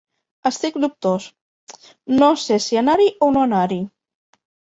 Estic dubtós: no sé si anar-hi o no anar-hi.